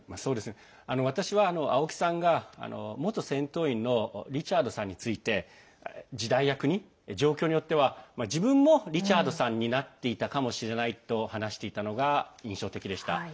私は、青木さんが元戦闘員のリチャードさんついて時代や国、状況によっては自分も、リチャードさんになっていたかもしれないと話していたのが印象的でした。